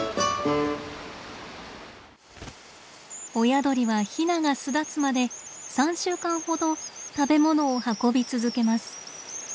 親鳥はヒナが巣立つまで３週間ほど食べ物を運び続けます。